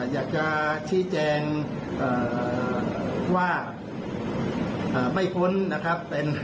อยากจะชี้แจงว่าไม่พ้นนะครับ